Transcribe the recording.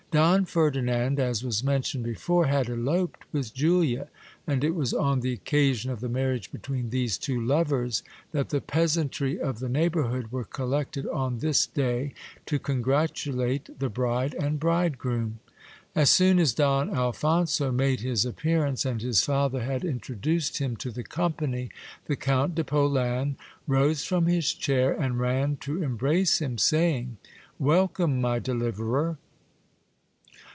Don Ferdinand, as was mentioned before, had eloped with Julia, and it was on the occasion of the marriage between these two lovers that the peasantry of the neighbourhood were collected on this day to congratulate the bride and bride groom. As soon as Don Alphonso made his appearance, and his father had introduced him to the company, the Count de Polan rose from his chair and ran to embrace him, saying — Welcome, my deliverer